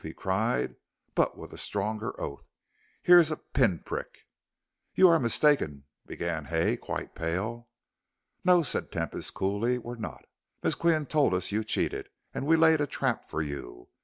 he cried, but with a stronger oath; "here's a pin prick." "You are mistaken," began Hay, quite pale. "No," said Tempest, coolly, "we're not. Miss Qian told us you cheated, and we laid a trap for you.